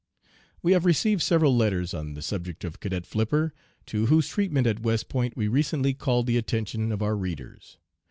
"We have received several letters on the subject of Cadet Flipper, to whose treatment at West Point we recently called the attention of our readers.